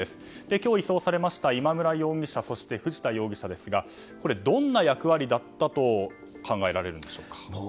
今日移送された今村容疑者そして藤田容疑者ですがどんな役割だったと考えられるんでしょうか。